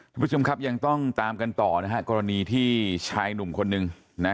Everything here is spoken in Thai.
คุณผู้ชมครับยังต้องตามกันต่อนะฮะกรณีที่ชายหนุ่มคนหนึ่งนะ